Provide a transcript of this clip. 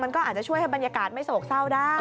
มันก็อาจจะช่วยให้บรรยากาศไม่โศกเศร้าได้